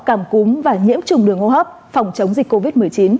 cảm cúm và nhiễm trùng đường hô hấp phòng chống dịch covid một mươi chín